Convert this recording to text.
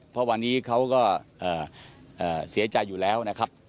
เพราะวันนี้เขาก็เสียใจอยู่แล้วนะครับ